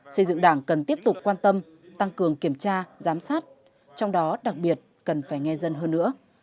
xây dựng đảng cần tiếp tục quan tâm tăng cường kiểm tra giám sát trong đó đặc biệt cần phải nghe dân hơn nữa